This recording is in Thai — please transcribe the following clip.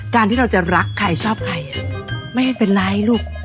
ที่เราจะรักใครชอบใครไม่ให้เป็นไรลูก